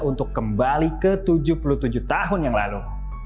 untuk kembali ke tujuh puluh tujuh tahun yang lalu